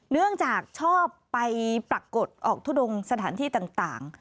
เนื่องจากชอบไปปรากฏออกทุดงสถานที่ต่าง